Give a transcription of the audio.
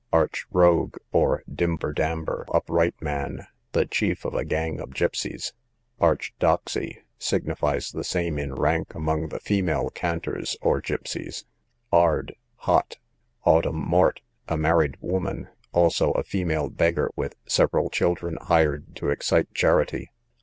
Arch Rogue, or Dimber Damber Upright Man, the chief of a gang of gipseys. Arch Doxy, signifies the same in rank among the female canters or gipseys. Ard, hot. Autumn Mort, a married woman; also a female beggar with several children, hired to excite charity.